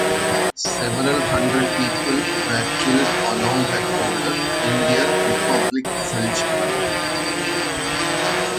Several hundred people were killed along that border in their Republikflucht attempt.